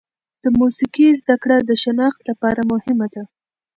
د موسیقي زده کړه د شناخت لپاره مهمه ده.